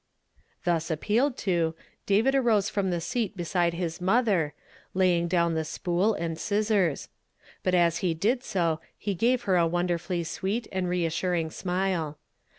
Thus appealed to, David arose from the seat beside his mother, laying down the spool and scis sors ; but as he did so he gave her a wonderfully sweet and reassuring smile.